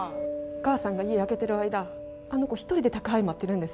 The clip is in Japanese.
お母さんが家空けてる間あの子一人で宅配待ってるんです。